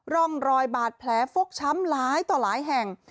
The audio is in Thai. ร่องรอยบาดแผลฟกช้ำหลายต่อหลายแห่ง